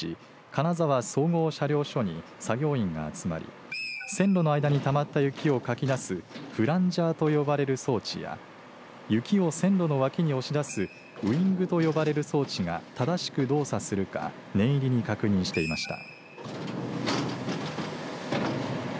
金沢総合車両所に作業員が集まり、線路の間にたまった雪をかき出すフランジャーと呼ばれる装置や雪を線路の脇に押し出すウイングと呼ばれる装置が正しく動作するか念入りに確認していました。